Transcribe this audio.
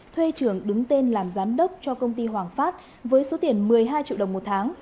thuê trường đứng tên làm giám đốc cho công ty hoàng phát với số tiền một mươi hai triệu đồng một tháng